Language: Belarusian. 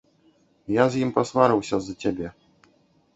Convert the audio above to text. Я з ім пасварыўся з-за цябе.